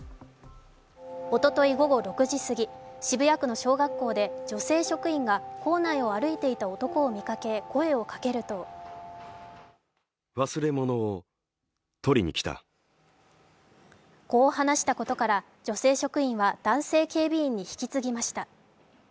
おととい午後６時過ぎ、渋谷区の小学校で女性職員が校内を歩いていた男を見かけ声をかけるとこう話したことから女性職員は男性警備員に引き継ぎました。